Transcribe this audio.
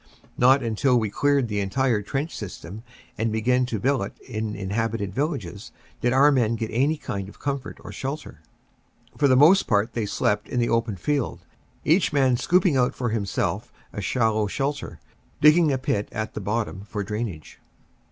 Not until we cleared the entire trench system, and began to billet in inhabited villages, did our men get any kind of comfort or shelter. For the most part they slept in the open field, each man scooping out for himself a shallow shelter, digging a pit at the bottom for drain age.